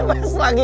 bannya kempes lagi